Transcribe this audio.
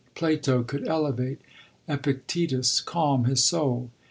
Plato could elevate, Epictetus calm, his soul.